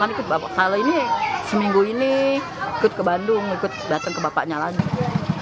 ikut bapak kalau ini seminggu ini ikut ke bandung ikut datang ke bapaknya lagi